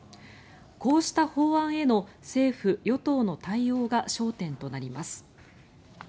こうした法案への政府・与党の対応が焦点となります。